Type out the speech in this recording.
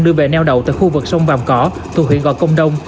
đưa về neo đậu tại khu vực sông vàm cỏ thuộc huyện gò công đông